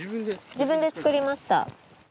自分で作りました。